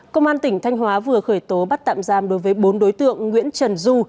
công an tỉnh thanh hóa vừa khởi tố bắt tạm giam đối với bốn đối tượng nguyễn trần du